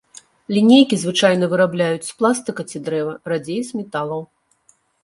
Лінейкі звычайна вырабляюць з пластыка ці дрэва, радзей з металаў.